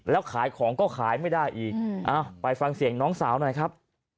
แล้วขายของก็ขายไม่ได้อีกไปฟังเสียงน้องสาวหน่อยครับ